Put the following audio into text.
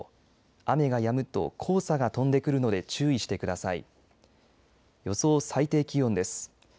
雨がやむと黄砂が飛んでくるので注意してください。